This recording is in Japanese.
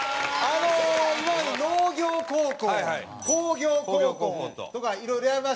今まで農業高校工業高校とかいろいろやりましたから。